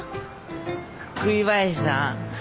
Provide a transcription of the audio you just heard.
栗林さん。